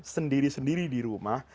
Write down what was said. sendiri sendiri di rumah